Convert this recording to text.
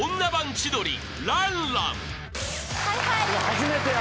初めてや。